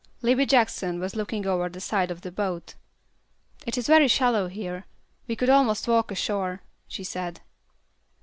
Libbie Jackson was looking over the side of the boat. "It is very shallow here. We could almost walk ashore," she said.